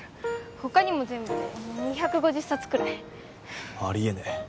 他にも全部で２５０冊くらいありえねえ